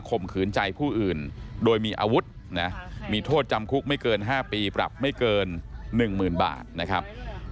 มขืนใจผู้อื่นโดยมีอาวุธนะมีโทษจำคุกไม่เกิน๕ปีปรับไม่เกิน๑๐๐๐บาทนะครับ